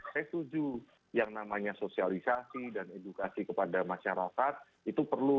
saya setuju yang namanya sosialisasi dan edukasi kepada masyarakat itu perlu